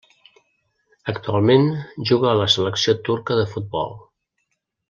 Actualment juga a la selecció turca del futbol.